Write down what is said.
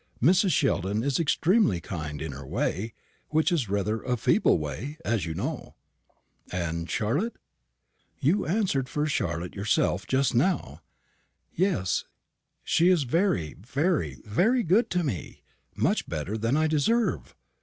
Mrs. Sheldon is extremely kind in her way which is rather a feeble way, as you know." "And Charlotte ?" "You answered for Charlotte yourself just now. Yes, she is very, very, very good to me; much better than I deserve.